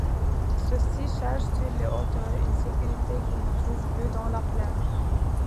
Ceux-ci cherchent sur les hauteurs une sécurité qu’ils ne trouvent plus dans la plaine.